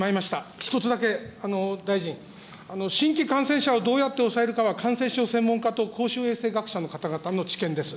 １つだけ、大臣、新規感染者をどうやって抑えるかは感染症専門家と公衆衛生学者の方々の知見です。